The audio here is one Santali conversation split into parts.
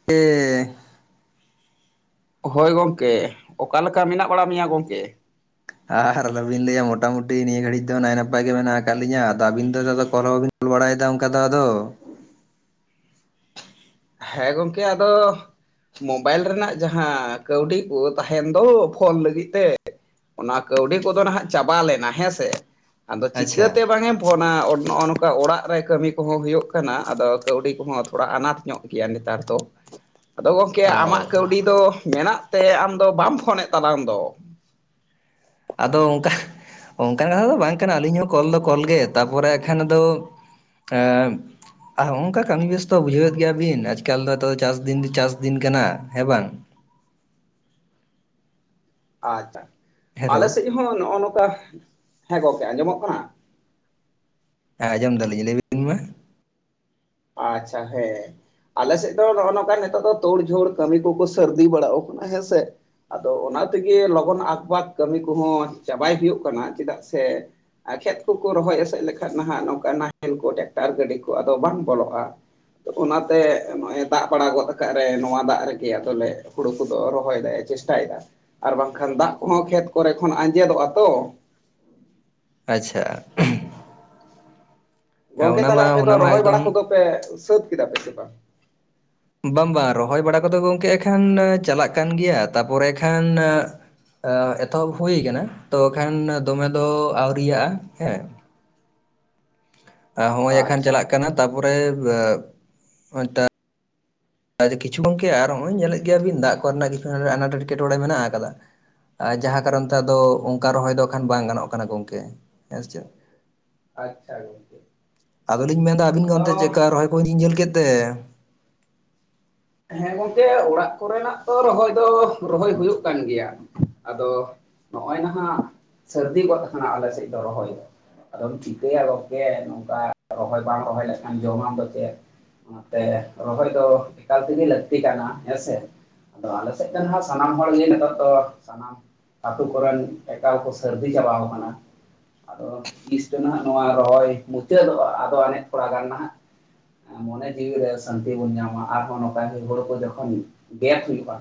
[inaudible] ᱦᱳᱭ ᱜᱚᱝᱠᱮ ᱚᱠᱟᱞᱮᱠᱟ ᱢᱮᱱᱟᱜ ᱵᱟᱲᱟ ᱢᱮᱭᱟ ᱜᱚᱝᱠᱮ? ᱟᱨ ᱟᱞᱚᱵᱤᱱ ᱞᱟᱹᱭᱟ ᱢᱚᱴᱟ ᱢᱩᱴᱤ ᱱᱤᱭᱟᱹ ᱜᱷᱟᱹᱲᱤᱡ ᱫᱚ ᱱᱟᱭ ᱱᱟᱯᱟᱭ ᱜᱮ ᱢᱮᱱᱟᱜ ᱟᱠᱟᱫ ᱞᱤᱧᱟᱹ, ᱟᱫᱚ ᱟᱵᱤᱱ ᱫᱚ ᱠᱚᱞ ᱦᱚᱸ ᱵᱟᱵᱤᱱ ᱠᱚᱞ ᱵᱟᱲᱟᱭᱮᱫᱟ ᱚᱝᱠᱟ ᱫᱚ ᱟᱫᱚ ᱾ ᱦᱮᱸ ᱜᱚᱝᱠᱮ ᱟᱫᱚ ᱢᱳᱵᱟᱭᱤᱞ ᱨᱮᱱᱟᱜ ᱡᱟᱦᱟᱸ ᱠᱟᱹᱣᱰᱤ ᱠᱚ ᱛᱟᱦᱮᱱ ᱫᱚ ᱯᱷᱳᱱ ᱞᱟᱹᱜᱤᱫ ᱛᱮ ᱾ ᱚᱱᱟ ᱠᱟᱹᱣᱰᱤ ᱠᱚᱫᱚ ᱱᱟᱦᱟᱜ ᱪᱟᱵᱟ ᱞᱮᱱᱟ ᱦᱮᱸᱥᱮ ᱟᱫᱚ ᱪᱤᱠᱟᱹ ᱟᱪᱪᱷᱟ ᱛᱮ ᱵᱟᱝᱮ ᱯᱷᱳᱱᱟ ᱚᱱ ᱱᱚᱜ-ᱚ ᱱᱚᱝᱠᱟ ᱚᱲᱟᱜ ᱨᱮ ᱠᱟᱹᱢᱤ ᱠᱚ ᱦᱚᱸ ᱦᱩᱭᱩᱜ ᱠᱟᱱᱟ, ᱟᱫᱚ ᱠᱟᱹᱣᱰᱤ ᱠᱚ ᱦᱚᱸ ᱛᱷᱚᱲᱟ ᱟᱱᱟᱴ ᱧᱚᱸᱜ ᱜᱮᱭᱟ ᱱᱮᱛᱟᱨ ᱫᱚ, ᱟᱫᱚ ᱜᱚᱝᱠᱮ ᱟᱢᱟᱜ ᱚ ᱠᱟᱹᱣᱰᱤ ᱫᱚ ᱢᱮᱱᱟᱜ ᱛᱮ ᱟᱢ ᱫᱚ ᱵᱟᱢ ᱯᱷᱳᱱᱮᱜ ᱛᱟᱞᱟᱝ ᱫᱚ? ᱟᱫᱚ ᱚᱝᱠᱟ ᱚᱝᱠᱟᱱ ᱠᱟᱛᱷᱟ ᱫᱚ ᱵᱟᱝ ᱠᱟᱱᱟ ᱟᱹᱞᱤᱧ ᱦᱚᱸ ᱠᱚᱞ ᱫᱚ ᱠᱚᱞ ᱜᱮ ᱛᱟᱯᱚᱨᱮ ᱦᱟᱜ ᱠᱷᱟᱱ ᱟᱫᱚ ᱮᱸᱵ ᱟ ᱦᱚᱸᱜᱼᱚᱝᱠᱟ ᱠᱟᱹᱢᱤ ᱵᱮᱥᱛᱚ ᱵᱩᱡᱷᱟᱹᱣᱮᱫ ᱜᱮᱭᱟ ᱵᱤᱱ ᱟᱡ-ᱠᱟᱞ ᱨᱮᱫᱚ ᱪᱟᱥ ᱫᱤᱱ ᱛᱚ ᱪᱟᱥ ᱫᱤᱱ ᱠᱟᱱᱟ ᱦᱮᱸ ᱵᱟᱝ! ᱟᱪᱪᱷᱟ, ᱟᱞᱮ ᱦᱮᱞᱳ ᱥᱮᱡ ᱦᱚᱸ ᱱᱚᱜᱼᱚ ᱱᱚᱠᱟ ᱦᱮᱸ ᱜᱚᱝᱠᱮ ᱟᱸᱡᱚᱢᱚᱜ ᱠᱟᱱᱟ? ᱦᱮᱸ ᱟᱸᱡᱚᱢ ᱫᱟᱹᱞᱤᱧ ᱞᱟᱹᱭ ᱵᱤᱱ ᱢᱟ᱾ ᱟᱪᱪᱷᱟ, ᱦᱮᱸ᱾ ᱟᱞᱮ ᱥᱮᱜ ᱫᱚ ᱱᱚᱜᱼᱚ ᱱᱚᱠᱟ ᱱᱤᱛᱚᱜ ᱫᱚ ᱛᱳᱲ-ᱡᱷᱳᱲ ᱠᱟᱹᱢᱤ ᱠᱚ ᱠᱚ ᱥᱟᱹᱨᱫᱤ ᱵᱟᱲᱟᱣ ᱠᱟᱱᱟ ᱦᱮᱸ ᱥᱮ᱾ ᱟᱫᱚ ᱚᱱᱟ ᱛᱮ ᱜᱮ ᱞᱚᱜᱚᱱ ᱟᱠᱵᱟᱠ ᱠᱟᱹᱢᱤ ᱠᱚ ᱦᱚᱸ ᱪᱟᱵᱟᱭ ᱦᱩᱭᱳᱜ ᱠᱟᱱᱟ ᱪᱮᱫᱟᱜ ᱥᱮ ᱟ ᱠᱷᱮᱛ ᱠᱚ ᱠᱚ ᱨᱚᱦᱚᱭ ᱮᱥᱮᱜ ᱞᱮᱠᱷᱟᱱ ᱱᱟᱦᱟᱸᱜ ᱱᱚᱝᱠᱟ ᱱᱟᱦᱮᱞ ᱠᱚ ᱴᱮᱠᱴᱟᱨ ᱜᱟᱹᱰᱤ ᱠᱚ ᱟᱫᱚ ᱵᱟᱝ ᱵᱚᱞᱚᱜᱼᱟ ᱾ ᱚᱱᱟ ᱛᱮ ᱱᱚᱜᱼᱚᱭ ᱫᱟᱜ ᱵᱟᱲᱟ ᱜᱚᱫ ᱠᱟᱸᱜ ᱨᱮ ᱱᱚᱣᱟ ᱫᱟᱜ ᱨᱮᱜᱮ ᱟᱫᱚᱞᱮ ᱦᱩᱲᱩ ᱠᱚ ᱫᱚ ᱨᱚᱦᱚᱭ ᱫᱟᱭ ᱪᱮᱥ ᱴᱟᱭᱫᱟ ᱟᱨ ᱵᱟᱝ ᱠᱷᱟᱱ ᱫᱟᱜ ᱠᱚ ᱦᱚᱸ ᱠᱷᱮᱛ ᱠᱚ ᱨᱮ ᱠᱷᱚᱱ ᱟᱸᱡᱮᱫᱚᱜᱼᱟ ᱛᱚ᱾ ᱟᱪᱪᱷᱟ [inaudible] ᱜᱚᱝᱠᱮ ᱚᱱᱟ ᱛᱟᱦᱞᱮ ᱢᱟ ᱟᱯᱮ ᱫᱚ ᱚᱱᱟ ᱢᱟ ᱨᱚᱦᱚᱭ ᱵᱟᱲᱟ ᱠᱚ ᱮᱠᱫᱚᱢ ᱫᱚ ᱯᱮ ᱥᱟᱹᱛ ᱠᱮᱫᱟ ᱯᱮ ᱥᱮ ᱵᱟᱝ? ᱵᱟᱝ ᱵᱟᱝ ᱨᱚᱦᱚᱭ ᱵᱟᱲᱟ ᱠᱚ ᱫᱚ ᱜᱚᱝᱠᱮ ᱮᱠᱷᱟᱱ ᱪᱟᱞᱟᱜ ᱠᱟᱱ ᱜᱮᱭᱟ, ᱛᱟᱯᱚ ᱨᱮ ᱠᱷᱟᱱ ᱮᱻ ᱮᱛᱚᱦᱚᱵ ᱦᱩᱭ ᱠᱟᱱᱟ ᱛᱚ ᱠᱷᱟᱱ ᱫᱚᱢᱮ ᱫᱚ ᱟᱹᱣᱨᱟᱭᱟᱜᱼᱟ ᱦᱮᱸ᱾ ᱟ ᱦᱚᱸᱜᱼᱚᱭ ᱮᱠᱷᱟᱱ ᱟᱪᱪᱷᱟ ᱪᱟᱞᱟᱜ ᱠᱟᱱᱟ ᱛᱟᱯᱚᱨᱮ [unintelligible] [unintelligible] ᱠᱤᱪᱷᱩ ᱜᱚᱝᱠᱮ ᱟᱨ ᱦᱚᱜᱼᱚᱭ ᱧᱮᱞᱮᱜ ᱜᱮᱭᱟ ᱵᱤᱱ ᱫᱟᱜ ᱠᱚᱨᱮ ᱱᱟᱜ ᱠᱤᱪᱷᱩ ᱦᱟᱱᱰᱮ ᱟᱱᱟᱴ-ᱮᱴᱠᱮᱴᱚᱬᱮ ᱢᱮᱱᱟᱜ ᱟᱠᱟᱫᱟ᱾ ᱟ ᱡᱟᱦᱟᱸ ᱠᱟᱨᱚᱱ ᱛᱮ ᱟᱫᱚ ᱚᱝᱠᱟ ᱨᱚᱦᱚᱭ ᱫᱚ ᱠᱷᱟᱱ ᱵᱟᱝ ᱜᱟᱱᱚᱜ ᱠᱟᱱᱟ ᱜᱚᱝᱠᱮ ᱦᱮᱸ ᱥᱮ! ᱟᱪᱪᱷᱟ ᱜᱚᱝᱠᱮ ᱾ ᱟᱫᱚ ᱞᱤᱧ ᱢᱮᱱ ᱫᱟ ᱟᱹᱵᱤᱱ ᱜᱮ ᱚᱱᱛᱮ ᱪᱮᱜ ᱠᱟ ᱨᱚᱦᱚᱭ ᱠᱚ ᱤᱧ ᱫᱚᱧ ᱧᱮᱞ ᱠᱮᱫ ᱛᱮ? ᱦᱮᱸ ᱜᱚᱝᱠᱮ ᱚᱲᱟᱜ ᱠᱚᱨᱮᱱᱟᱜ ᱛᱚ ᱨᱚᱦᱚᱭ ᱫᱚ ᱨᱚᱦᱚᱭ ᱦᱩᱭᱩᱜ ᱠᱟᱱ ᱜᱮᱭᱟ ᱾ ᱟᱫᱚ ᱱᱚᱜᱼᱚᱭ ᱱᱟᱦᱟᱸᱜ ᱥᱟᱹᱨᱫᱤ ᱜᱚᱫ ᱟᱠᱟᱱᱟ ᱟᱞᱮ ᱥᱮᱫ ᱫᱚ ᱨᱚᱦᱚᱭ᱾ ᱟᱫᱚᱢ ᱪᱤᱠᱟᱹᱭᱟ ᱨᱚᱝᱠᱮ ᱱᱚᱜᱚᱝᱠᱟ ᱨᱚᱦᱚᱭ ᱵᱟᱢ ᱨᱚᱦᱚᱭ ᱞᱮᱠᱷᱟᱱ ᱡᱚᱢᱟᱢ ᱫᱚ ᱪᱮᱫ᱾ ᱚᱱᱟ ᱛᱮ ᱨᱚᱦᱚᱭ ᱫᱚ ᱮᱠᱟᱞ ᱛᱮ ᱜᱮ ᱞᱟᱹᱠᱛᱤ ᱠᱟᱱᱟ ᱦᱮᱸ ᱥᱮ ᱟᱫᱚ ᱟᱞᱮ ᱥᱮᱫ ᱫᱚ ᱱᱟᱦᱟᱸᱜ ᱥᱟᱱᱟᱢ ᱦᱚᱲ ᱜᱮ ᱱᱤᱛᱚᱜ ᱫᱚ ᱥᱟᱱᱟᱢ ᱟᱹᱛᱩ ᱠᱚᱨᱤᱱ ᱟᱠᱟᱞ ᱠᱚ ᱥᱟᱹᱨᱫᱤ ᱪᱟᱵᱟᱣ ᱠᱟᱱᱟ᱾ ᱟᱫᱚ ᱛᱤᱥ ᱪᱚ ᱱᱟᱦᱟᱸᱜ ᱱᱚᱣᱟ ᱨᱚᱦᱚᱭ ᱢᱩᱪᱟᱹᱫᱚᱜᱼᱟ ᱟᱫᱚ ᱟᱱᱮᱡ ᱛᱷᱚᱲᱟ ᱜᱟᱱ ᱱᱟᱦᱟᱸᱜ ᱢᱚᱱᱮ ᱡᱤᱣᱤ ᱨᱮ ᱥᱟᱱᱛᱤ ᱵᱚᱱ ᱧᱟᱢᱟ ᱟᱨ ᱦᱚᱸ ᱱᱚᱝᱠᱟ ᱦᱩᱲ ᱦᱩᱲᱩ ᱠᱚ ᱡᱚᱠᱷᱚᱱ ᱜᱮᱛ ᱦᱩᱭᱩᱜᱼᱟ᱾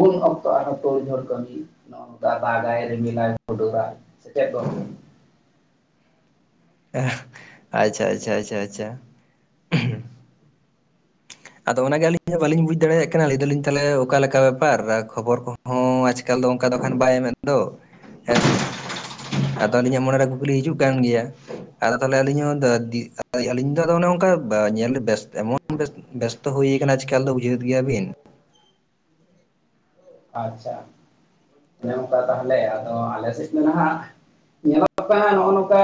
ᱩᱱ ᱚᱠᱛᱚ ᱟᱨᱚ ᱛᱳᱲ-ᱡᱷᱳᱲ ᱠᱟᱹᱢᱤ᱾ ᱱᱚᱜᱼᱚ ᱱᱚᱝᱠᱟ ᱫᱟᱜᱟᱭ ᱨᱤᱢᱞᱟᱭ ᱦᱩᱰ-ᱦᱩᱰᱟᱹᱣᱟ ᱥᱮ ᱪᱮᱫ ᱜᱚᱝᱠᱮ᱾ ᱟᱪᱪᱷᱟ ᱟᱪᱪᱷᱟ ᱟᱪᱪᱷᱟ ᱟᱪᱪᱷᱟ᱾ ᱟᱫᱚ ᱚᱱᱟ ᱜᱮ ᱟᱹᱞᱤᱧ ᱦᱚᱸ ᱵᱟᱹᱞᱤᱧ ᱵᱩᱡ ᱫᱟᱲᱮᱭᱟᱜ ᱠᱟᱱᱟ ᱞᱟᱹᱭ ᱫᱟᱹᱞᱤᱧ ᱛᱟᱞᱮ ᱚᱠᱟ ᱞᱮᱠᱟ ᱵᱮᱯᱟᱨ ᱟᱨ ᱠᱷᱚᱵᱚᱨ ᱠᱚ ᱦᱚᱸ ᱟᱪ ᱮᱠᱟᱞ ᱫᱚ ᱚᱝᱠᱟ ᱫᱚ ᱠᱷᱟᱱ ᱵᱟᱭ ᱮᱢᱮᱜ ᱫᱚ ᱦᱮᱸ ᱟᱫᱚ ᱟᱹᱞᱤᱧᱟᱸᱜ ᱢᱚᱱᱮ ᱨᱮ ᱠᱩᱠᱞᱤ ᱦᱤᱡᱩᱜ ᱠᱟᱱ ᱜᱮᱭᱟ ᱟᱫᱚ ᱛᱟᱦᱞᱮ ᱟᱹᱞᱤᱧ ᱦᱚᱸ ᱫᱟ ᱫᱤ ᱟᱹᱭ ᱟᱹᱞᱤᱧ ᱫᱚ ᱟᱫᱚ ᱚᱱᱮ ᱚᱝᱠᱟ ᱵᱟ ᱧᱮᱞ ᱵᱮᱥ ᱮᱢᱚᱱ ᱵᱮᱥ ᱵᱮᱥᱛᱚ ᱦᱩᱭ ᱠᱟᱱᱟ ᱟᱡ ᱠᱟᱞ ᱫᱚ ᱵᱩᱡᱷᱟᱹᱣᱮᱫ ᱜᱮᱭᱟ ᱵᱤᱱ᱾ ᱟᱪᱪᱷᱟ ᱚᱱᱮ ᱚᱝᱠᱟ ᱛᱟᱦᱚᱞᱮ ᱟᱫᱚ ᱟᱞᱮ ᱥᱮᱫ ᱫᱚ ᱱᱟᱦᱟᱸᱜ ᱧᱮᱞᱚᱜ ᱯᱮ ᱦᱟᱸᱜ ᱱᱚᱜᱼᱚ ᱱᱚᱝᱠᱟ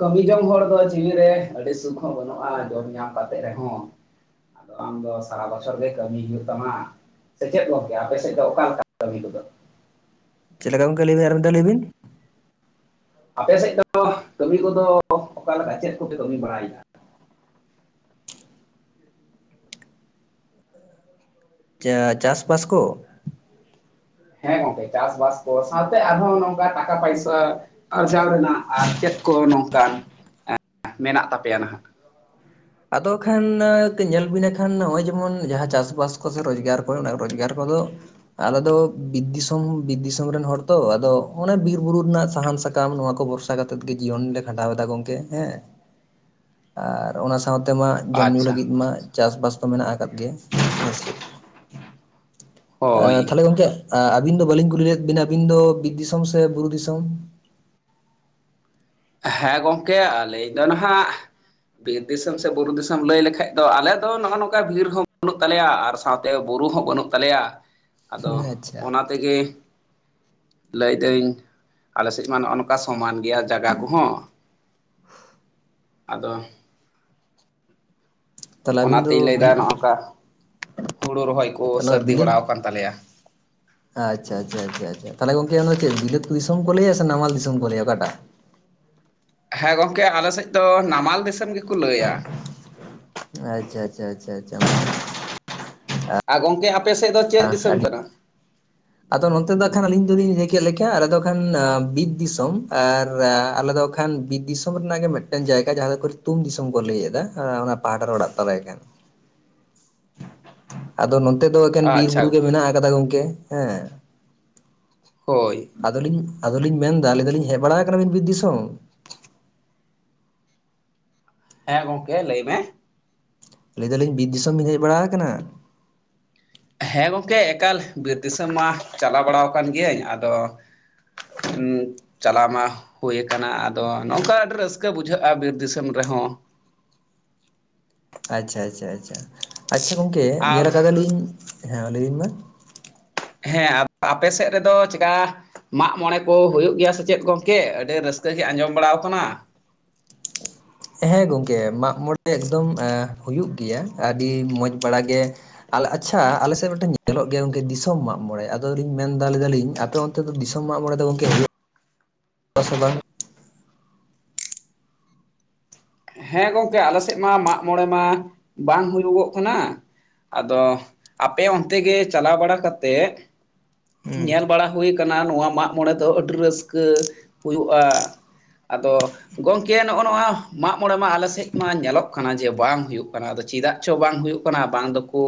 ᱠᱟᱹᱢᱤ ᱡᱚᱝ ᱦᱚᱲ ᱫᱚ ᱡᱤᱣᱤ ᱨᱮ ᱟᱹᱰᱤ ᱥᱩᱠ ᱦᱚᱸ ᱵᱟᱹᱱᱩᱜᱼᱟ ᱡᱚᱢ ᱧᱟᱢ ᱠᱟᱛᱮᱜ ᱨᱮ ᱦᱚᱸ᱾ ᱟᱫᱚ ᱟᱢ ᱫᱚ ᱥᱟᱨᱟ ᱵᱚᱪᱷᱚᱨ ᱜᱮ ᱠᱟᱹᱢᱤ ᱦᱩᱭᱩᱜ ᱛᱟᱢᱟ ᱥᱮ ᱪᱮᱫ ᱜᱚᱝᱠᱮ ᱟᱯᱮ ᱥᱮᱡ ᱫᱚ ᱚᱠᱟ ᱞᱮᱠᱟ ᱠᱟᱹᱢᱤ ᱠᱚ ᱫᱚ? ᱪᱮᱜ ᱞᱮᱠᱟ ᱜᱚᱝᱠᱮ ᱞᱟᱹᱭ ᱵᱤᱱ ᱟᱨ ᱢᱤᱫ ᱫᱷᱟᱣ ᱞᱟᱹᱭ ᱵᱤᱱ᱾ ᱟᱯᱮ ᱥᱮᱡ ᱫᱚ ᱠᱟᱹᱢᱤ ᱠᱚ ᱫᱚ ᱚᱠᱟ ᱞᱮᱠᱟ ᱪᱮᱫ ᱠᱚ ᱯᱮ ᱠᱟᱹᱢᱤ ᱵᱟᱲᱟᱭ ᱫᱟ? ᱪᱟ ᱪᱟᱥ-ᱵᱟᱥ ᱠᱚ᱾ ᱦᱮᱸ ᱜᱚᱝᱠᱮ ᱪᱟᱥ-ᱵᱟᱥ ᱠᱚ ᱥᱟᱶᱛᱮ ᱟᱨ ᱦᱚᱸ ᱱᱚᱝᱠᱟ ᱴᱟᱠᱟ-ᱯᱟᱭᱥᱟᱹ᱾ ᱟᱨᱡᱟᱣ ᱨᱮᱱᱟᱜ ᱟᱨ ᱪᱮᱫ ᱠᱚ ᱱᱚᱝᱠᱟᱱ ᱢᱮᱱᱟᱜ ᱛᱟᱯᱮᱭᱟ ᱱᱟᱦᱟᱸᱜ? ᱟᱫᱚ ᱠᱷᱟᱱ ᱧᱮᱞ ᱵᱤᱱᱟ ᱠᱷᱟᱱ ᱱᱚᱜᱼᱚᱭ ᱡᱮᱢᱚᱱ ᱡᱟᱦᱟᱸ ᱪᱟᱥᱵᱟᱥ ᱠᱚᱥ ᱨᱳᱡᱽᱜᱟᱨ ᱠᱚᱨᱮᱱᱟᱜ ᱨᱳᱡᱽᱜᱟᱨ ᱠᱚᱫᱚ ᱟᱞᱮ ᱫᱚ ᱵᱤᱨ ᱫᱤᱥᱚᱢ ᱵᱤᱫ ᱫᱤᱥᱚᱢ ᱨᱮᱱ ᱦᱚᱲ ᱛᱚ᱾ ᱟᱫᱚ ᱚᱱᱮ ᱵᱤᱨ ᱵᱩᱨᱩ ᱨᱮᱱᱟᱜ ᱥᱟᱦᱟᱱ ᱥᱟᱠᱟᱢ ᱱᱚᱣᱟ ᱠᱚ ᱵᱚᱨᱥᱟ᱾ ᱱᱚᱝᱠᱟ ᱠᱟᱛᱮᱜᱮ ᱡᱤᱭᱚᱱ ᱞᱮ ᱠᱷᱟᱸᱰᱟᱣ ᱮᱫᱟ ᱜᱚᱢᱠᱮ ᱦᱮ, ᱟᱨ ᱚᱱᱟ ᱱᱚ ᱛᱮ ᱢᱟ ᱡᱚᱢ ᱧᱩ ᱟᱪᱪᱷᱟ ᱞᱟᱹᱜᱤᱫ ᱢᱟ ᱪᱟᱥᱵᱟᱥ ᱫᱚ ᱢᱮᱱᱟᱜ ᱟᱠᱟᱫ ᱜᱮ ᱾ ᱦᱳᱭ ᱛᱟᱦᱚᱞᱮ ᱜᱚᱢᱠᱮ ᱟᱹᱵᱤᱱ ᱫᱚ ᱵᱟᱹᱞᱤᱧ ᱠᱩᱞᱤ ᱞᱮᱫ ᱵᱤᱱᱟ, ᱟᱹᱵᱤᱱ ᱫᱚ ᱵᱤᱨ ᱫᱤᱥᱚᱢ ᱥᱮ ᱵᱩᱨᱩ ᱫᱤᱥᱚᱢ? ᱦᱮᱸ ᱜᱚᱢᱠᱮ ᱟᱹᱞᱤᱧ ᱫᱚ ᱱᱟᱦᱟᱜ ᱵᱤᱨ ᱫᱤᱥᱚᱢ ᱥᱮ ᱵᱩᱨᱩ ᱫᱤᱥᱚᱢ, ᱞᱟᱹᱭ ᱞᱮᱠᱷᱟᱱᱡ ᱫᱚ ᱟᱞᱮ ᱫᱚ ᱱᱚᱜᱼᱚ ᱱᱚᱝᱠᱟ, ᱵᱤᱨ ᱦᱚᱸ ᱵᱟᱹᱱᱩᱜ ᱛᱟᱞᱮᱭᱟ ᱟᱨ ᱥᱟᱶᱛᱮ ᱵᱩᱨᱩ ᱦᱚᱸ ᱵᱟᱹᱱᱩᱜ ᱛᱟᱞᱮᱭᱟ, ᱟᱫᱚ‌ ᱟᱪᱪᱷᱟ ᱚᱱᱟ ᱞᱟᱹᱭᱫᱟᱹᱧ ᱟᱞᱮ ᱥᱮᱫ ᱢᱟ ᱱᱚᱜᱼᱚ ᱱᱚᱝᱠᱟ ᱥᱚᱢᱟᱱ ᱜᱮᱭᱟ᱾ ᱡᱟᱜᱟ ᱠᱚᱦᱚᱸ᱾ [inaudible] ᱟᱫᱚ ᱛᱟᱦᱚᱞᱮ ᱟᱹᱵᱤᱱ ᱫᱚ ᱚᱱᱟᱛᱤᱧ ᱞᱟᱹᱭᱮᱫᱟ ᱵᱤᱞ ᱱᱚᱜᱝᱠᱟ ᱦᱩᱲᱩ ᱨᱚᱦᱚᱭ ᱠᱚ ᱛᱟᱦᱚᱞᱮ ᱥᱟᱹᱨᱫᱤ ᱵᱤᱞᱟᱹᱛ ᱵᱟᱲᱟ ᱟᱠᱟᱱ ᱛᱟᱞᱮᱭᱟ᱾ ᱟᱪᱪᱷᱟ ᱟᱪᱪᱷᱟ ᱟᱪᱷᱟ ᱪᱷᱟ ᱛᱟᱦᱚᱞᱮ ᱜᱚᱢᱠᱮ ᱚᱱᱟ ᱪᱮᱫ ᱵᱤᱞᱟᱹᱛ ᱫᱤᱥᱚᱢ ᱠᱚ ᱞᱟᱹᱭᱟ ᱥᱮ ᱱᱟᱢᱟᱞ ᱫᱤᱥᱚᱢ ᱠᱚ ᱞᱟᱹᱭᱟ ᱚᱠᱟᱴᱟᱜ? ᱦᱮᱸ ᱜᱚᱢᱠᱮ ᱟᱞᱮᱥᱮᱫ ᱫᱚ ᱱᱟᱢᱟᱞ ᱫᱤᱥᱚᱢ ᱜᱮᱠᱚ ᱞᱟᱹᱭᱟ᱾ ᱟᱪᱪᱷᱟ ᱟᱪᱪᱷᱟ ᱟᱪᱪᱷᱟ ᱟᱪᱪᱷᱟ᱾ ᱟᱨ ᱜᱚᱝᱠᱮ ᱟᱯᱮ ᱥᱮᱫ ᱫᱚ ᱪᱮᱫ ᱫᱤᱥᱚᱢ ᱠᱟᱱᱟ? ᱟᱫᱚ ᱱᱚᱛᱮ ᱫᱚ ᱦᱟᱜᱠᱷᱟᱱ ᱟᱹᱞᱤᱧ ᱫᱚᱞᱤᱧ ᱞᱟᱹᱭ ᱠᱮᱫ ᱞᱮᱠᱟ ᱟᱞᱮ ᱫᱚ ᱠᱷᱟᱱ ᱵᱤᱫ ᱫᱤᱥᱚᱢ ᱟᱨ ᱟᱞᱮ ᱫᱚ ᱠᱷᱟᱱ ᱵᱤᱨ ᱫᱤᱥᱚᱢ ᱨᱮᱱᱟᱜ ᱢᱮᱫᱴᱟᱝ ᱡᱟᱭᱜᱟ ᱡᱟᱦᱟᱸ ᱫᱚ ᱠᱷ ᱛᱩ ᱫᱤᱥᱚᱢ ᱠᱚ ᱞᱟᱹᱭ ᱮᱚᱫᱟ᱾ ᱚᱱᱟ ᱯᱟᱦᱴᱟ ᱨᱮ ᱚᱲᱟᱜ ᱛᱟᱞᱮ ᱠᱷᱟᱱ᱾ ᱟᱫᱚ ᱱᱚᱛᱮ ᱫᱚ ᱮᱠᱮᱱ ᱵᱤᱨ ᱟᱪᱪᱷᱟ ᱵᱩᱨᱩ ᱜᱮ ᱢᱮᱱᱟᱜ ᱟᱠᱟᱫᱟ ᱜᱚᱝᱠᱮ ᱦᱮᱸ᱾ ᱦᱳᱭ᱾ ᱟᱞᱤᱧ ᱟᱫᱚ ᱞᱤᱧ ᱢᱮᱱ ᱫᱟ ᱞᱟᱹᱭ ᱫᱟᱹᱞᱤᱧ ᱦᱮᱡ ᱵᱟᱲᱟ ᱠᱟᱱᱟ ᱵᱤᱱ ᱵᱤᱨ ᱫᱤᱥᱚᱢ? ᱦᱮᱸ ᱜᱚᱝᱠᱮ ᱞᱟᱹᱭ ᱢᱮ? ᱞᱟᱹᱭᱮ ᱫᱟᱹᱞᱤᱧ ᱵᱤᱨ ᱫᱤᱥᱚᱢ ᱵᱤᱱ ᱦᱮᱡ ᱵᱟᱲᱟ ᱠᱟᱱᱟ? ᱦᱮᱸ ᱜᱚᱝᱠᱮ ᱮᱠᱟᱞ ᱵᱤᱨ ᱫᱤᱥᱚᱢ ᱢᱟ ᱪᱟᱞᱟᱣ ᱵᱟᱲᱟ ᱟᱠᱟᱱ ᱜᱤᱭᱟᱹᱧ ᱟᱫᱚ [unintelligible] ᱪᱟᱞᱟᱣ ᱢᱟ ᱦᱩᱭᱩ ᱠᱟᱱᱟ ᱾ᱟᱫᱚ ᱱᱚᱝᱠᱟ ᱟᱹᱰᱤ ᱨᱟᱹᱥᱠᱟᱹ ᱵᱩᱡᱷᱟᱹᱜ-ᱟ ᱵᱤᱨ ᱫᱤᱥᱚᱢ ᱨᱮᱦᱚᱸ᱾ ᱟᱪᱪᱷᱟ, ᱟᱪᱪᱷᱟ, ᱟᱪᱪᱷᱟ, ᱟᱪᱪᱷᱟ ᱜᱚᱝᱠᱮ ᱟᱨ ᱧᱮᱞ ᱠᱟᱫᱟ ᱞᱤᱧ ᱾ ᱦᱮᱸ ᱢᱟ ᱞᱟᱹᱭ ᱵᱤᱱ ᱢᱟ? ᱦᱮᱸ ᱟᱯᱮ ᱥᱮᱫ ᱨᱮᱫᱚ ᱪᱮᱫᱠᱟ ᱢᱟᱜ ᱢᱚᱸᱬᱮ ᱠᱚ ᱦᱳᱭᱳᱜ ᱜᱮᱭᱟ ᱥᱮ ᱪᱮᱫ ᱜᱚᱝᱠᱮ? ᱟᱹᱰᱤ ᱨᱟᱹᱥᱠᱟᱹ ᱜᱮ ᱟᱸᱡᱚᱢ ᱵᱟᱲᱟᱣ ᱠᱟᱱᱟ᱾ ᱦᱮᱸ ᱜᱚᱝᱠᱮ ᱢᱟᱜ ᱢᱚᱸᱬᱮ ᱮᱠᱫᱚᱢ ᱦᱩᱭᱩᱜ ᱜᱮᱭᱟ ᱟᱹᱰᱤ ᱢᱚᱸᱡᱽ ᱵᱟᱲ ᱜᱮ᱾ ᱟᱞ ᱟᱪᱪᱷᱟ ᱟᱞᱮ ᱥᱮᱫ ᱢᱤᱫᱴᱮᱱ ᱧᱮᱞᱚᱜ ᱜᱮᱭᱟ ᱜᱚᱝᱠᱮ ᱫᱤᱥᱚᱢ ᱢᱟᱜ ᱢᱚᱸᱬᱮ᱾ ᱟᱫᱚ ᱞᱤᱧ ᱢᱮᱱ ᱫᱟ ᱞᱟᱹᱭ ᱫᱟᱹᱞᱤᱧ ᱟᱯᱮ ᱚᱱ ᱛᱮᱫ ᱫᱚ ᱫᱤᱥᱚᱢ ᱢᱟᱜ ᱢᱚᱸᱬᱮ ᱫᱚ ᱜᱚᱝᱠᱮ ᱦᱳᱭᱳᱜ-ᱟ ᱥᱮ ᱵᱟᱝ? ᱦᱮᱸ ᱜᱚᱝᱠᱮ ᱟᱞᱮ ᱥᱮᱫ ᱢᱟ ᱢᱟᱜ ᱢᱚᱸᱬᱮ ᱢᱟ ᱵᱟᱝ ᱦᱩᱭᱩᱜᱚᱜ ᱠᱟᱱᱟ᱾ ᱟᱫᱚ ᱟᱯᱮ ᱚᱱᱛᱮ ᱜᱮ ᱪᱟᱞᱟᱣ ᱵᱟᱲᱟ ᱠᱟᱛᱮ ᱦᱩᱸ ᱧᱮᱞ ᱵᱟᱲᱟ ᱦᱳᱭ ᱠᱟᱱᱟ ᱱᱚᱣᱟ ᱢᱟᱜ ᱢᱚᱸᱬᱮ ᱫᱚ ᱟᱹᱰᱤ ᱨᱟᱹᱥᱠᱟᱹ ᱦᱳᱭᱳᱜ-ᱟ᱾ ᱟᱫᱚ ᱜᱚᱝᱠᱮ ᱱᱚᱸᱜ-ᱚ ᱱᱚᱣᱟ ᱢᱟᱜ ᱢᱚᱸᱬᱮ ᱢᱟ ᱟᱞᱮ ᱥᱮᱫ ᱢᱟ ᱧᱮᱞᱚᱜ ᱠᱟᱱᱟ ᱡᱮ ᱵᱟᱝ ᱦᱩᱭᱩᱜ ᱠᱟᱱᱟ᱾ ᱟᱫᱚ ᱪᱮᱫᱟᱜ ᱪᱚ ᱵᱟᱝ ᱦᱩᱭᱩᱜ ᱠᱟᱱᱟ ᱵᱟᱝ ᱫᱚ ᱠᱚ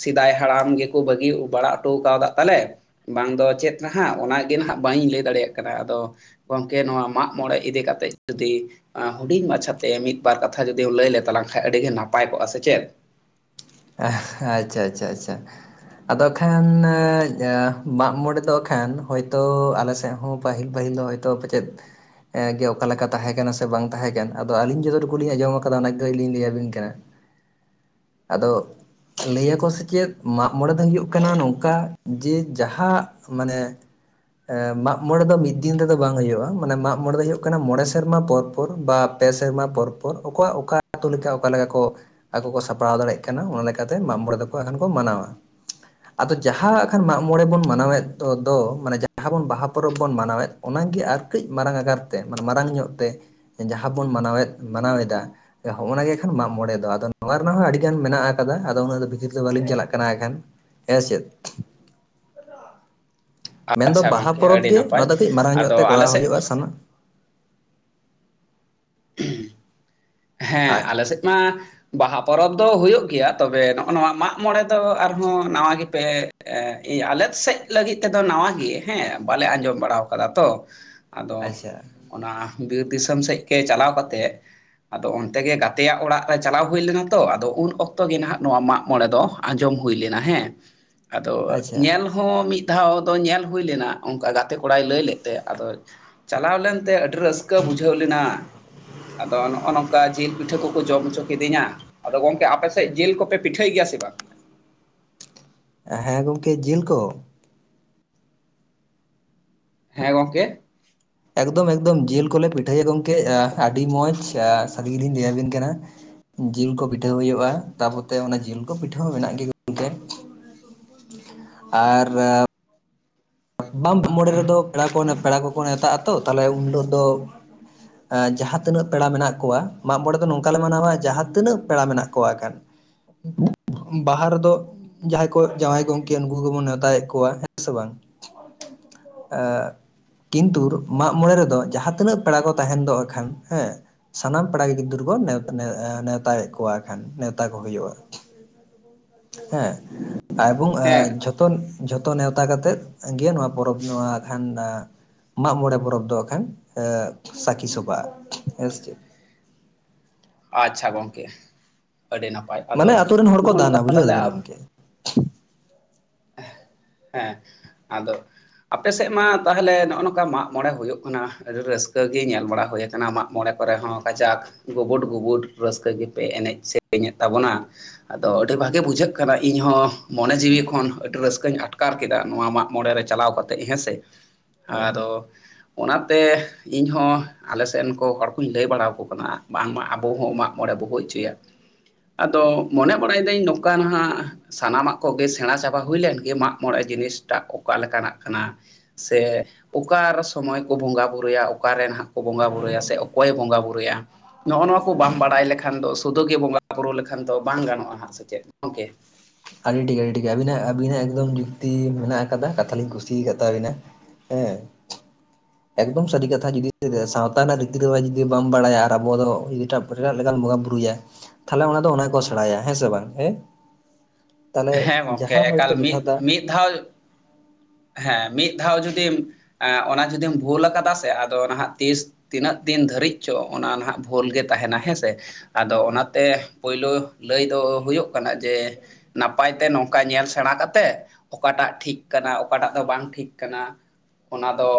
ᱥᱮᱫᱟᱭ ᱦᱟᱲᱟᱢ ᱜᱮᱠᱚ ᱵᱟᱹᱜᱤ ᱵᱟᱲᱟ ᱦᱚᱴᱚ ᱠᱟᱣᱫᱟ ᱛᱟᱞᱮ᱾ ᱵᱟᱝ ᱫᱚ ᱪᱮᱫ ᱱᱟᱦᱟᱜ ᱚᱱᱟ ᱜᱮ ᱱᱟᱦᱟᱜ ᱵᱟᱹᱧ ᱞᱟᱹᱭ ᱫᱟᱲᱮᱭᱟᱜ ᱠᱟᱱᱟ᱾ ᱟᱫᱚ ᱜᱚᱝᱠᱮ ᱱᱚᱣᱟ ᱢᱟᱜ ᱢᱚᱸᱬᱮ ᱤᱫᱤ ᱠᱟᱛᱮᱜ ᱡᱩᱫᱤ ᱦᱩᱰᱤᱧ ᱢᱟᱪᱷᱟ ᱛᱮ ᱢᱤᱫ ᱵᱟᱨ ᱠᱟᱛᱷᱟ ᱡᱩᱫᱤᱢ ᱞᱟᱹᱭ ᱞᱮ ᱛᱟᱞᱟᱝ ᱠᱷᱟᱡ ᱟᱹᱰᱤ ᱜᱮ ᱱᱟᱯᱟᱭ ᱠᱚᱜ-ᱟ ᱥᱮ ᱪᱮᱫ? ᱟᱪᱪᱷᱟ, ᱟᱪᱪᱷᱟ, ᱟᱪᱪᱷᱟ᱾ ᱟᱫᱚ ᱠᱷᱟᱱ ᱢᱟᱜ ᱢᱚᱸᱬᱮ ᱫᱚ ᱦᱟᱸ ᱠᱷᱟᱱ ᱦᱚᱭ ᱛᱚ ᱟᱞᱮ ᱥᱮᱫ ᱦᱚᱸ ᱯᱟᱹᱦᱤᱞ, ᱯᱟᱹᱦᱤᱞ ᱫᱚ ᱛᱚ ᱯᱟᱪᱮᱫ ᱜᱮ ᱚᱠᱟ ᱞᱮᱠᱟ ᱛᱟᱦᱮᱸ ᱠᱟᱱᱟ ᱥᱮ ᱵᱟᱝ ᱛᱟᱦᱮᱸ ᱠᱟᱱᱟ᱾ ᱟᱫᱚ ᱟᱹᱞᱤᱧ ᱡᱚᱛᱚ ᱴᱩᱠᱩ ᱞᱤᱧ ᱟᱸᱡᱚᱢ ᱠᱟᱫᱟ᱾ ᱚᱱᱟ ᱜᱮ ᱠᱟᱹᱡ ᱞᱤᱧ ᱞᱟᱹᱭ ᱟᱵᱤᱱ ᱠᱟᱱᱟ᱾ ᱟᱫᱚ ᱞᱟᱹᱭ ᱟᱠᱚ ᱥᱮ ᱪᱮᱫ ᱢᱟᱜ ᱢᱚᱸᱬᱮ ᱫᱚ ᱦᱩᱭᱩᱜ ᱠᱟᱱᱟ ᱱᱚᱝᱠᱟ ᱡᱮ ᱡᱟᱦᱟ ᱢᱟᱱᱮ ᱮᱸᱻ ᱢᱟᱜ ᱢᱚᱸᱬᱮ ᱫᱚ ᱢᱤᱫ ᱫᱤᱱ ᱛᱮᱫᱚ ᱵᱟᱝ ᱦᱳᱭᱳᱜ-ᱟ᱾ ᱢᱟᱱᱮ ᱢᱟᱜ ᱢᱚᱸᱬᱮ ᱫᱚ ᱦᱳᱭᱳᱜ ᱠᱟᱱᱟ, ᱢᱚᱸᱬᱮ ᱥᱮᱨᱢᱟ ᱯᱚᱨ ᱯᱚᱨ ᱵᱟ ᱯᱮ ᱥᱮᱨᱢᱟ ᱯᱚᱨ ᱯᱚᱨ᱾ ᱚᱠᱟ, ᱚᱠᱟ ᱟᱛᱳ ᱞᱮᱠᱟ ᱚᱠᱟ ᱞᱮᱠᱟ ᱠᱚ ᱟᱠᱚ ᱠᱚ ᱥᱟᱯᱲᱟᱣ ᱫᱟᱲᱮᱜ ᱠᱟᱱᱟ ᱚᱱᱟ ᱞᱮᱠᱟᱛᱮ ᱢᱟᱜ ᱢᱚᱸᱬᱮ ᱫᱚᱠᱚ ᱮᱱᱠᱷᱟᱱ ᱠᱚ ᱢᱟᱱᱟᱣᱟ᱾ ᱟᱫᱚ ᱡᱟᱦᱟ ᱦᱟᱸᱜ ᱠᱷᱟᱱ ᱢᱟᱜ ᱢᱚᱸᱬᱮ ᱵᱚᱱ ᱢᱟᱱᱟᱣᱮᱫ ᱫᱚ᱾ ᱫᱚ ᱢᱟᱱᱮ ᱡᱟᱦᱟ ᱵᱚᱱ ᱵᱟᱦᱟ ᱯᱚᱨᱚᱵᱽ ᱵᱚᱱ ᱢᱟᱱᱟᱣᱮᱫ ᱚᱱᱟ ᱜᱮ ᱟᱨ ᱠᱟᱹᱡ ᱢᱟᱨᱟᱝ ᱟᱠᱟᱨ ᱛᱮ ᱢᱟᱱᱮ ᱢᱟᱨᱟᱝ ᱧᱚᱜ ᱛᱮ᱾ ᱡᱟᱦᱟ ᱵᱚᱱ ᱢᱟᱱᱟᱣᱮᱫ, ᱢᱟᱱᱟᱣ ᱮᱫᱟ ᱦᱚᱸᱜ-ᱚᱱᱟ ᱜᱮ ᱠᱷᱟᱱ ᱢᱟᱜ ᱢᱚᱸᱬᱮ ᱫᱚ᱾ ᱟᱫᱚ ᱱᱚᱣᱟ ᱨᱮᱱᱟᱜ ᱦᱚᱸ ᱟᱹᱰᱤ ᱜᱟᱱ ᱢᱮᱱᱟᱜ ᱠᱟᱫᱟ ᱟᱫᱚ ᱩᱱᱟᱹᱜ ᱫᱚ ᱵᱷᱤᱛᱤᱨ ᱫᱚ ᱵᱟᱹᱞᱤᱧ ᱪᱟᱞᱟᱜ ᱠᱟᱱᱟ ᱦᱟᱸᱜ ᱠᱷᱟᱱ ᱦᱮᱸ ᱪᱮᱫ? ᱢᱮᱱᱫᱚ ᱟᱪᱪᱷᱟ ᱵᱟᱦᱟ ᱜᱚᱝᱠᱮ ᱯᱚᱨᱚᱵᱽ ᱟᱹᱰᱤ ᱜᱮ, ᱱᱟᱯᱟᱭ ᱱᱚᱣᱟ ᱫᱚ ᱠᱟᱹᱡ ᱢᱟᱨᱟᱝ ᱧᱚᱜ ᱟᱫᱚ ᱛᱮ ᱟᱞᱮ ᱠᱚᱨᱟᱣ ᱥᱮᱫ ᱦᱳᱭᱳᱜ-ᱟ᱾ ᱥᱟᱱᱟ ᱦᱮᱸ ᱟᱞᱮ ᱥᱮᱫ ᱢᱟ ᱵᱟᱦᱟ ᱯᱚᱨᱚᱵᱽ ᱫᱚ ᱦᱳᱭᱳᱜ ᱜᱮᱭᱟ᱾ ᱛᱚᱵᱮ ᱱᱚᱸᱜ-ᱚ ᱱᱚᱣᱟ ᱢᱟᱜ ᱢᱚᱸᱬᱮ ᱫᱚ ᱟᱨᱦᱚᱸ ᱱᱟᱣᱟ ᱜᱮᱯᱮ ᱮᱸᱻ ᱟᱞᱮ ᱥᱮᱫ ᱞᱟᱹᱜᱤᱫ ᱛᱮᱫᱚ ᱱᱟᱣᱟ ᱜᱮ ᱦᱮᱸ ᱵᱟᱞᱮ ᱟᱸᱡᱚᱢ ᱵᱟᱲᱟᱣ ᱠᱟᱫᱟ ᱛᱚ᱾ ᱟᱫᱚ ᱟᱪᱪᱷᱟ ᱚᱱᱟ ᱵᱤᱨ ᱫᱤᱥᱚᱢ ᱥᱮᱫ ᱜᱮ ᱪᱟᱞᱟᱣ ᱠᱟᱛᱮᱫ ᱟᱫᱚ ᱚᱱᱛᱮ ᱜᱮ ᱜᱟᱛᱮᱭᱟᱜ ᱚᱲᱟᱜ ᱨᱮ ᱪᱟᱞᱟᱣ ᱦᱩᱭ ᱞᱮᱱᱟ ᱛᱚ᱾ᱟᱫᱚ ᱩᱱ ᱚᱠᱛᱚ ᱜᱮ ᱱᱟᱦᱟᱜ ᱱᱚᱣᱟ ᱢᱟᱜ ᱢᱚᱸᱬᱮ ᱫᱚ ᱟᱸᱡᱚᱢ ᱦᱩᱭ ᱞᱮᱱᱟ ᱦᱮᱸ᱾ ᱟᱫᱚ ᱟᱪᱪᱷᱟ ᱧᱮᱞ ᱦᱚᱸ ᱢᱤᱫ ᱫᱷᱟᱣ ᱫᱚ ᱧᱮᱞ ᱦᱩᱭ ᱞᱮᱱᱟ᱾ ᱚᱱᱠᱟ ᱜᱟᱛᱮ ᱠᱚᱲᱟᱭ ᱞᱟᱹᱭ ᱞᱮᱫ ᱛᱮ ᱟᱫᱚ ᱪᱟᱞᱟᱣ ᱞᱮᱱ ᱛᱮ ᱟᱹᱰᱤ ᱨᱟᱹᱥᱠᱟᱹ ᱵᱩᱡᱷᱟᱹᱣ ᱞᱮᱱᱟ᱾ ᱟᱫᱚ ᱱᱚᱸᱜ-ᱚ ᱱᱚᱝᱠᱟ ᱡᱮᱞ ᱯᱤᱴᱷᱟᱹ ᱠᱚᱠᱚ ᱡᱚᱢ ᱦᱚᱪᱚ ᱠᱤᱫᱤᱧᱟ᱾ ᱟᱫᱚ ᱜᱚᱝᱠᱮ ᱟᱯᱮ ᱥᱮᱫ ᱡᱮᱞ ᱠᱚᱯᱮ ᱯᱤᱴᱷᱟᱹᱭ ᱜᱮᱭᱟ ᱥᱮ ᱵᱟᱝ? ᱦᱮᱸ ᱜᱚᱝᱠᱮ, ᱡᱤᱞ ᱠᱚ ᱦᱮᱸ ᱜᱚᱝᱠᱮ ᱮᱠᱫᱚᱢ ᱮᱠᱫᱚᱢ ᱡᱤᱞ ᱠᱚᱞᱮ ᱯᱤᱴᱷᱟᱹᱭᱟ ᱜᱚᱢᱠᱮ ᱟᱹᱰᱤ ᱢᱚᱸᱡᱽ ᱥᱟᱜᱤᱧ ᱞᱤᱧ ᱞᱟᱹᱭᱟᱵᱤᱱ ᱠᱟᱱᱟ ᱡᱤᱞ ᱠᱚ ᱯᱤᱴᱷᱟᱹ ᱦᱩᱭᱩᱜ-ᱟ, ᱛᱟᱯᱚᱛᱮ ᱚᱱᱮ ᱡᱤᱞ ᱠᱚ ᱯᱤᱴᱷᱟᱹ ᱦᱚᱸ ᱢᱮᱱᱟᱜ ᱜᱮ ᱜᱚᱢᱠᱮ ᱟᱨ ᱵᱟᱢ ᱢᱚᱬᱮ ᱨᱮᱫᱚ ᱯᱮᱲᱟ ᱠᱚ ᱯᱮᱲᱟ ᱠᱚᱠᱚ ᱱᱮᱶᱛᱟᱜ ᱟᱛᱚ ᱛᱟᱦᱞᱮ ᱩᱱ ᱦᱤᱞᱳᱜ ᱫᱚ ᱮ ᱡᱟᱦᱟᱸ ᱛᱤᱱᱟᱹᱜ ᱯᱮᱲᱟ ᱢᱮᱱᱟᱜ ᱠᱚᱣᱟ ᱢᱟᱜ ᱢᱚᱬᱮ ᱫᱚ ᱱᱚᱝᱠᱟ ᱞᱮ ᱢᱟᱱᱟᱣᱟ ᱡᱟᱦᱟᱸ ᱛᱤᱱᱟᱹᱜ ᱯᱮᱲᱟ ᱢᱮᱱᱟᱜ ᱠᱚᱣᱟ ᱟᱠᱷᱟᱱ ᱵᱟᱦᱟ ᱨᱮᱫᱚ ᱡᱟᱦᱟᱸᱭ ᱠᱚ ᱡᱟᱶᱟᱭ ᱜᱚᱢᱠᱮ-ᱟ, ᱱᱩᱠᱩ ᱠᱚ ᱜᱮᱵᱚᱱ ᱱᱮᱣᱛᱟᱭᱮᱜ ᱠᱚᱣᱟ ᱦᱮᱸ ᱥᱮ ᱵᱟᱝ? ᱟ ᱠᱤᱱᱛᱩᱨ ᱢᱟᱜ ᱢᱚᱬᱮ ᱨᱮᱫᱚ ᱡᱟᱦᱟᱸ ᱛᱤᱱᱟᱹᱜ ᱯᱮᱲᱟ ᱠᱚ ᱛᱟᱦᱮᱱ ᱫᱚ ᱮᱱᱠᱷᱟᱱ ᱦᱮᱸ ᱥᱟᱱᱟᱢ ᱯᱮᱲᱟᱜᱮ ᱜᱤᱫᱟᱹᱨ ᱠᱚ ᱱᱮᱣᱛᱟ ᱱᱮᱣᱛᱟᱭᱮᱜ ᱠᱚᱣᱟ ᱮᱠᱷᱟᱱ, ᱱᱮᱣᱛᱟ ᱠᱚ ᱦᱩᱭᱩᱜ-ᱟ ᱦᱮᱸ ᱮᱵᱚᱝ ᱟ ᱦᱮᱸ ᱡᱷᱚ ᱛᱚᱱ, ᱡᱷᱚᱛᱚ ᱱᱮᱣᱛᱟ ᱠᱟᱛᱮᱜ ᱜᱮ ᱱᱚᱣᱟ ᱯᱚᱨᱚᱵᱽ ᱱᱚᱣᱟ ᱠᱷᱟᱱ ᱢᱟᱜ ᱢᱚᱬᱮ ᱯᱚᱨᱚᱵᱽ ᱫᱚ ᱦᱟᱜ ᱠᱷᱟᱱ ᱮ ᱥᱟᱹᱠᱷᱤ ᱥᱚᱵᱟᱜ-ᱟ ᱦᱮᱸᱥ ᱪᱮ ᱟᱪᱪᱷᱟ ᱜᱚᱝᱠᱮ ᱟᱹᱰᱤ ᱱᱟᱯᱟᱭ, ᱟᱫᱚ ᱢᱟᱱᱮ ᱟᱛᱳ ᱨᱮᱱ ᱦᱚᱲ ᱠᱚ ᱱᱚᱜᱚ ᱱᱚᱠᱟ ᱫᱟᱱᱟ ᱵᱩᱡᱷᱟᱹᱣ ᱛᱟᱦᱚᱞᱮ ᱫᱟᱵᱤᱱ ᱟᱵ ᱜᱚᱢᱠᱮ ᱦᱮᱸ ᱟᱫᱚ ᱟᱯᱮ ᱥᱮᱜ ᱢᱟ ᱛᱟᱦᱚᱞᱮ ᱱᱚᱜ-ᱚ ᱱᱚᱠᱟ ᱢᱟᱜ ᱢᱚᱬᱮ ᱦᱩᱭᱩᱜ ᱠᱟᱱᱟ ᱟᱹᱰᱤ ᱨᱟᱹᱥᱠᱟᱹ ᱜᱮ ᱧᱮᱞ ᱵᱟᱲᱟ ᱦᱩᱭ ᱠᱟᱱᱟ ᱢᱟᱜ ᱢᱚᱬᱮ ᱠᱚᱨᱮ ᱦᱚᱸ ᱠᱟᱡᱟᱠ ᱜᱩᱵᱩᱰ ᱜᱩᱵᱩᱰ ᱨᱟᱹᱥᱠᱟᱹ ᱜᱮᱯᱮ ᱮᱱᱮᱡ ᱥᱮᱨᱮᱧᱮᱫ ᱛᱟᱵᱚᱱᱟ ᱟᱫᱚ ᱟᱹᱰᱤ ᱵᱷᱟᱜᱮ ᱵᱩᱡᱷᱟᱹᱜ ᱠᱟᱱᱟ ᱤᱧ ᱦᱚᱸ ᱢᱚᱱᱮ ᱡᱤᱣᱤ ᱠᱷᱚᱱ ᱟᱹᱰᱤ ᱨᱟᱹᱥᱠᱟᱹᱧ ᱟᱴᱠᱟᱨ ᱠᱮᱫᱟ ᱱᱚᱣᱟ ᱢᱟᱜ ᱢᱚᱬᱮ ᱨᱮ ᱪᱟᱞᱟᱣ ᱠᱟᱛᱮᱫ ᱦᱮᱸ ᱥᱮ᱾ ᱦᱮᱸ ᱟᱫᱚ ᱚᱱᱟᱛᱮ ᱤᱧ ᱦᱚᱸ ᱟᱞᱮ ᱥᱮᱱ ᱠᱚ ᱦᱚᱲ ᱠᱩᱧ ᱞᱟᱹᱭ ᱵᱟᱲᱟᱣᱠᱚ ᱠᱟᱱᱟ ᱵᱟᱝᱢᱟ ᱟᱵᱚ ᱦᱚᱸ ᱢᱟᱜ ᱢᱚᱬᱮ ᱵᱚ ᱦᱳᱭ ᱦᱚᱪᱚᱭᱟ᱾ ᱟᱫᱚ ᱢᱚᱱᱮ ᱵᱟᱲᱟᱭ ᱫᱟᱹᱧ ᱱᱚᱠᱟ ᱱᱟᱦᱟᱜ ᱥᱟᱱᱟᱢᱟᱜ ᱠᱚᱜᱮ ᱥᱮᱬᱟ ᱥᱟᱵᱟ ᱦᱩᱭ ᱞᱮᱱ ᱜᱮ ᱢᱟᱜ ᱢᱚᱬᱮ ᱡᱤᱱᱤᱥᱴᱟᱜ ᱚᱠᱟ ᱞᱮᱠᱟᱱᱟᱜ ᱠᱟᱱᱟ? ᱥᱮ ᱚᱠᱟ ᱟᱨ ᱥᱚᱢᱚᱭ ᱠᱚ ᱵᱚᱸᱜᱟ ᱵᱩᱨᱩᱭᱟ ᱚᱠᱟᱨᱮᱱ ᱦᱟᱸᱜ ᱠᱚ ᱵᱚᱸᱜᱟ ᱵᱩᱨᱩᱭᱟ ᱥᱮ ᱚᱠᱚᱭᱮ ᱵᱚᱸᱜᱟ ᱵᱩᱨᱩᱭᱟ ᱱᱚᱜᱚ ᱱᱚᱣᱟ ᱠᱚ ᱵᱟᱢ ᱵᱟᱰᱟᱭ ᱞᱮᱠᱷᱟᱱ ᱫᱚ ᱥᱩᱫᱩ ᱜᱮ ᱵᱚᱸᱜᱟ ᱵᱩᱨᱩ ᱞᱮᱠᱷᱟᱱ ᱛᱚ ᱵᱟᱝ ᱜᱟᱱᱚᱜ-ᱟ ᱦᱟᱸᱜ ᱥᱮ ᱪᱮᱫ ᱜᱚᱝᱠᱮ ᱟᱹᱰᱤ ᱴᱷᱤᱠ ᱟᱹᱰᱤ ᱴᱷᱤᱠ ᱟᱹᱵᱤᱱᱟᱜ ᱟᱹᱵᱤᱱᱟᱜ ᱮᱠᱫᱚᱢ ᱡᱩᱠᱛᱤ ᱢᱮᱱᱟᱜ ᱟᱠᱟᱫᱟ ᱠᱟᱛᱷᱟ ᱞᱤᱧ ᱠᱩᱥᱤ ᱠᱟᱜ ᱛᱟᱵᱤᱱᱟ᱾ ᱦᱮᱸ ᱮᱠᱫᱚᱢ ᱥᱟᱹᱨᱤ ᱠᱟᱛᱷᱟ ᱡᱩᱫᱤ ᱥᱟᱶᱛᱟ ᱨᱮᱱᱟᱜ ᱨᱤᱛᱤ ᱨᱮᱣᱟᱡᱽ ᱡᱩᱫᱤ ᱵᱟᱢ ᱵᱟᱰᱟᱭᱟ ᱟᱨ ᱟᱵᱚ ᱫᱚ ᱞᱮᱠᱟᱱ ᱵᱚᱸᱜᱟ ᱵᱩᱨᱩᱭᱟ ᱛᱷᱟᱞᱮ ᱚᱱᱟ ᱫᱚ ᱚᱱᱟ ᱜᱮ ᱠᱚ ᱥᱮᱬᱟᱭᱟ ᱦᱮᱸ ᱥᱮ ᱵᱟᱝ ᱦᱮᱸ ᱛᱟᱦᱚᱞᱮ ᱦᱮᱸ ᱜᱚᱝᱠᱮ ᱡᱟᱦᱟᱸ ᱮᱠᱟᱞ ᱦᱚᱭᱛᱳ ᱢᱤᱫ ᱡᱚᱛᱷᱟᱛᱟ ᱢᱤᱫ ᱫᱷᱟᱣ ᱦᱮᱸ ᱢᱤᱫ ᱫᱷᱟᱣ ᱡᱩᱫᱤᱢ ᱚᱱᱟ ᱡᱩᱫᱤᱢ ᱵᱷᱩᱞ ᱠᱟᱫᱟ ᱥᱮ ᱟᱫᱚ ᱱᱟᱦᱟᱜ ᱛᱤᱥ ᱛᱤᱱᱟᱹᱜ ᱫᱤᱱ ᱫᱷᱟᱹᱨᱤᱡ ᱪᱚ ᱚᱱᱟ ᱱᱟᱦᱟᱜ ᱵᱷᱩᱞ ᱜᱮ ᱛᱟᱦᱮᱱᱟ ᱦᱮᱸ ᱥᱮ, ᱟᱫᱚ ᱚᱱᱟᱛᱮ ᱯᱳᱭᱞᱳ ᱞᱟᱹᱭ ᱫᱚ ᱦᱩᱭᱩᱜ ᱠᱟᱱᱟ ᱡᱮ ᱱᱟᱯᱟᱭ ᱛᱮ ᱱᱚᱠᱟ ᱧᱮᱞ ᱥᱮᱬᱟ ᱠᱟᱛᱮᱜ ᱚᱠᱟᱴᱟᱜ ᱴᱷᱤᱠ ᱠᱟᱱᱟ ᱚᱠᱟᱴᱟᱜ ᱫᱚ ᱵᱟᱝ ᱴᱷᱤᱠ ᱠᱟᱱᱟ ᱚᱱᱟ ᱫᱚ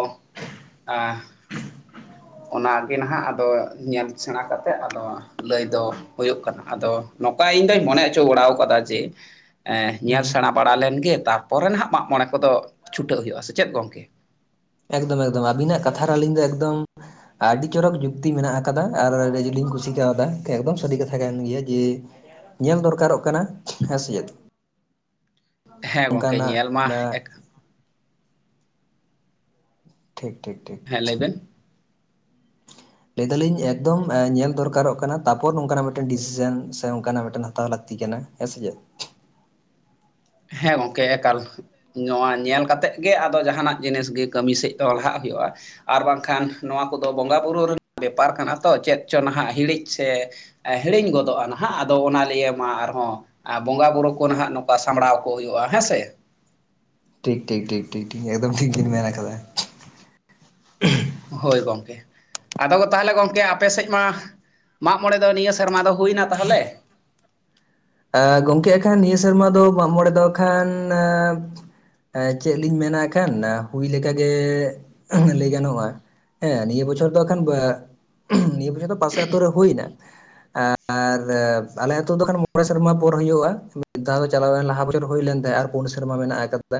ᱚᱱᱟᱜᱮ ᱱᱟᱦᱟᱜ ᱟᱫᱚ ᱧᱮᱞ ᱥᱮᱬᱟ ᱠᱟᱛᱮᱜ ᱟᱫᱚ ᱞᱟᱹᱭ ᱫᱚ ᱦᱩᱭᱩᱜ ᱠᱟᱱᱟ ᱟᱫᱚ ᱱᱚᱠᱟ ᱤᱧ ᱫᱩᱧ ᱢᱚᱱᱮ ᱚᱪᱚ ᱵᱟᱲᱟᱣ ᱠᱟᱫᱟ ᱡᱮ ᱧᱮᱞ ᱦᱩᱸ ᱥᱮᱬᱟ ᱵᱟᱲᱟ ᱞᱮᱱᱜᱮ ᱛᱟᱨᱯᱚᱨᱮ ᱱᱟᱦᱟᱜ ᱢᱟᱜᱢᱚᱬᱮ ᱠᱚᱫᱚ ᱪᱷᱩᱴᱟᱹᱜ ᱦᱩᱭᱩᱜ-ᱟ ᱥᱮ ᱪᱮᱫ ᱜᱚᱝᱠᱮ? ᱮᱠᱫᱚᱢ ᱮᱠᱫᱚᱢ ᱟᱹᱵᱤᱱᱟᱜ ᱠᱟᱛᱷᱟᱨ ᱨᱮ ᱟᱹᱞᱤᱧ ᱫᱚ ᱮᱠᱫᱚᱢ ᱟᱹᱰᱤ ᱪᱚᱨᱚᱠ ᱡᱩᱠᱛᱤ ᱢᱮᱱᱟᱜ ᱟᱠᱟᱫᱟ ᱟᱨ ᱜᱟᱡᱮ ᱞᱤᱧ ᱠᱩᱥᱤ ᱠᱟᱣᱫᱟ ᱮᱠᱫᱚᱢ ᱥᱟᱹᱨᱤ ᱠᱟᱛᱷᱟ ᱠᱟᱱ ᱜᱮᱭᱟ ᱡᱮ ᱧᱮᱞ ᱫᱚᱨᱠᱟᱨᱚᱜ ᱠᱟᱱᱟ ᱦᱮ ᱥᱮ ᱪᱮᱫ ᱦᱮᱸ ᱜᱚᱝᱠᱮ ᱚᱱᱠᱟᱱᱟᱜ ᱧᱮᱞ ᱢᱟ ᱵᱟ ᱮᱠ ᱴᱷᱤᱠ ᱴᱷᱤᱠ ᱴᱷᱤᱠ ᱞᱮᱭᱵᱷᱮᱱ ᱞᱟᱹᱭ ᱮᱫᱟᱞᱤᱧ ᱮᱠᱫᱚᱢ ᱧᱮᱞ ᱫᱚᱨᱠᱟᱨᱚᱜ ᱠᱟᱱᱟ, ᱛᱟᱯᱚᱨ ᱱᱚᱝᱠᱟᱱᱟᱜ ᱢᱤᱫᱴᱮᱱ ᱰᱤᱥᱤᱥᱮᱱ ᱥᱮ ᱚᱱᱠᱟᱱᱟᱜ ᱢᱤᱫᱴᱮᱱ ᱦᱟᱛᱟᱣ ᱞᱟᱠᱛᱤ ᱠᱟᱱᱟ᱾ ᱦᱮᱸ ᱥᱮᱪᱮᱫ᱾ ᱦᱮᱸ ᱜᱚᱝᱠᱮ ᱮᱠᱟᱞ᱾ ᱱᱚᱣᱟ ᱧᱮᱞ ᱠᱟᱛᱮᱫ ᱜᱮ ᱟᱫᱚ ᱡᱟᱦᱟᱱᱟᱜ ᱡᱤᱱᱤᱥ ᱜᱮ ᱠᱟᱹᱢᱤ ᱥᱮᱫ ᱫᱚ ᱞᱟᱦᱟᱜ ᱦᱩᱭᱩᱜᱼᱟ᱾ ᱟᱨ ᱵᱟᱝᱠᱷᱟᱱ ᱱᱚᱣᱟ ᱠᱚᱫᱚ ᱵᱚᱸᱜᱟᱼᱵᱩᱨᱩ ᱨᱮᱱᱟᱜ ᱵᱮᱯᱟᱨ ᱠᱟᱱᱟ ᱛᱚ ᱪᱮᱫ ᱪᱚ ᱱᱟᱦᱟᱜ ᱦᱤᱲᱤᱡ ᱥᱮ ᱦᱤᱲᱤᱧ ᱜᱚᱫᱚᱜᱼᱟ ᱱᱟᱦᱟᱜ ᱟᱫᱚ ᱚᱱᱟ ᱞᱤᱭᱮ ᱢᱟ ᱟᱨᱦᱚᱸ ᱵᱚᱸᱜᱟ-ᱵᱩᱨᱩ ᱠᱚ ᱱᱟᱦᱟᱜ ᱱᱚᱝᱠᱟ ᱥᱟᱢᱵᱽᱲᱟᱣ ᱠᱚ ᱦᱩᱭᱩᱜᱼᱟ ᱦᱮᱸ ᱥᱮ, ᱴᱷᱤᱠ ᱴᱷᱤᱠ ᱴᱷᱤᱠ ᱴᱷᱤᱠ ᱮᱠᱫᱚᱢ ᱴᱷᱤᱠ ᱜᱮᱹᱧ ᱢᱮᱱ ᱟᱠᱟᱫᱟ᱾ ᱦᱳᱭ ᱜᱚᱢᱠᱮ᱾ ᱟᱫᱚ ᱛᱟᱦᱚᱞᱮ ᱜᱚᱢᱠᱮ ᱟᱯᱮ ᱥᱮᱫ ᱢᱟ ᱢᱟᱜ ᱢᱚᱬᱮ ᱫᱚ ᱱᱤᱭᱟᱹ ᱥᱮᱨᱢᱟ ᱫᱚ ᱦᱩᱭᱱᱟ ᱛᱟᱦᱚᱞᱮ? ᱮ ᱜᱚᱢᱠᱮ ᱟᱜᱠᱷᱟᱱ ᱱᱤᱭᱟᱹ ᱥᱮᱨᱢᱟ ᱫᱚ ᱢᱟᱜ ᱢᱚᱬᱮ ᱫᱚ ᱠᱷᱟᱱ ᱪᱮᱫ ᱞᱤᱧ ᱢᱮᱱᱟ ᱠᱷᱟᱱ ᱦᱩᱭ ᱞᱮᱠᱟ ᱜᱮ ᱞᱟᱹᱭ ᱜᱟᱱᱚᱜᱼᱟ᱾ ᱦᱮᱸ ᱱᱤᱭᱟᱹ ᱵᱚᱪᱷᱚᱨ ᱫᱚ ᱮᱠᱷᱟᱱ [inaudible] ᱱᱤᱭᱟᱹ ᱵᱚᱪᱷᱚᱨ ᱯᱟᱥᱮ ᱟᱛᱳᱨᱮ ᱦᱩᱭ ᱱᱟ, ᱟᱨ ᱟᱞᱮ ᱟᱛᱳ ᱫᱚ ᱠᱷᱟᱱ ᱢᱚᱬᱮ ᱥᱮᱨᱢᱟ ᱯᱚᱨ ᱦᱩᱭᱩᱜᱼᱟ, ᱢᱤᱫ ᱫᱷᱟᱣ ᱫᱚ ᱪᱟᱞᱟᱣᱮᱱ ᱞᱟᱦᱟ ᱵᱚᱪᱚᱨ ᱦᱩᱭ ᱞᱮᱱ ᱛᱟᱦᱮᱸ ᱟᱨ ᱯᱩᱱ ᱥᱮᱨᱢᱟ ᱢᱮᱱᱟᱜ ᱟᱠᱟᱫᱟ᱾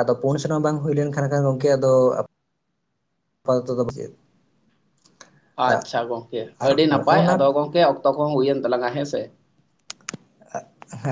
ᱟᱫᱚ ᱯᱳᱱ ᱥᱮᱨᱢᱟ ᱵᱟᱝ ᱦᱩᱭ ᱞᱮᱱᱠᱷᱟᱱ ᱠᱷᱟᱱ ᱜᱚᱝᱠᱮ ᱟᱫᱚ [unintelligible] ᱟᱪᱪᱷᱟ ᱜᱚᱝᱠᱮ ᱟᱨ ᱟᱹᱰᱤ ᱦᱚᱸᱜᱼᱚ ᱱᱟᱯᱟᱭ, ᱱᱟ ᱟᱫᱚ ᱜᱚᱝᱠᱮ ᱚᱠᱛᱚ ᱠᱚᱦᱚᱸ ᱦᱩᱭᱮᱱ ᱛᱟᱞᱟᱝᱟ ᱦᱮᱸ ᱥᱮ᱾ [inaudible] ᱦᱮᱸ᱾